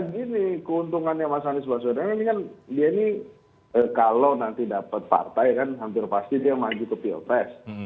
gini keuntungannya mas anies baswedan ini kan dia ini kalau nanti dapat partai kan hampir pasti dia maju ke pilpres